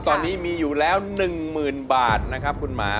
ตอนนี้มีอยู่แล้ว๑๐๐๐บาทนะครับคุณหมา